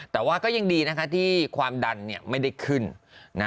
แต่ว่าก็ยังดีนะคะที่ความดันไม่ได้ขึ้นนะ